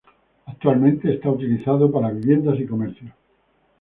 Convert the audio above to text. Actualmente es utilizado para viviendas y comercios.